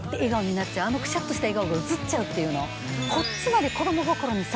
あのクシャっとした笑顔がうつっちゃうっていうの？